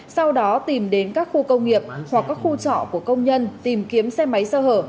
sau đó tìm đến các khu công nghiệp hoặc các khu trọ của công nhân tìm kiếm xe máy sơ hở